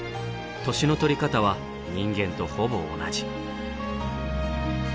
年の取り方は人間とほぼ同じ。